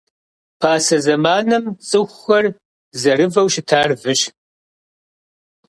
Пасэ зэманым цӏыхухэр зэрывэу щытар выщ.